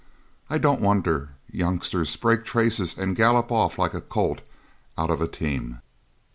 I don't wonder youngsters break traces and gallop off like a colt out of a team.